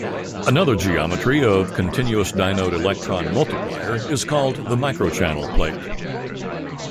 Another geometry of continuous-dynode electron multiplier is called the microchannel plate.